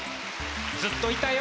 ずっといたよ